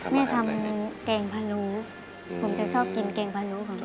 แม่ทำเกงพาลูผมจะชอบกินเกงพาลูของแม่